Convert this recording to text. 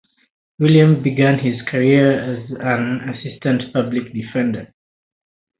Williams began his career as an assistant public defender.